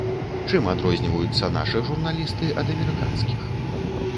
Чым адрозніваюцца нашы журналісты ад амерыканскіх?